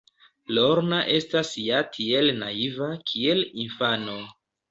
Lorna estas ja tiel naiva, kiel infano.